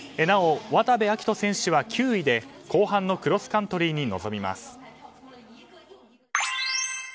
なお渡部暁斗選手は９位で後半のクロスカントリーに臨みます。